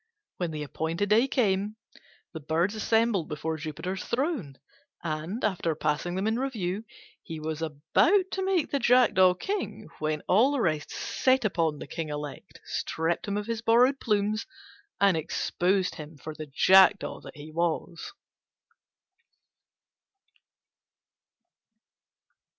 When the appointed day came, the birds assembled before Jupiter's throne; and, after passing them in review, he was about to make the Jackdaw king, when all the rest set upon the king elect, stripped him of his borrowed plumes, and exposed him for the Jackdaw that he was.